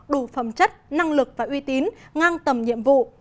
đủ phẩm chất năng lực và uy tín ngang tầm nhiệm vụ